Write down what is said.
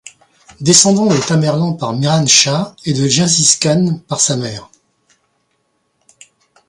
Descendant de Tamerlan par Miran Shah et de Gengis Khan par sa mère.